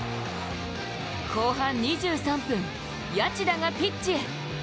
後半２３分、谷内田がピッチへ。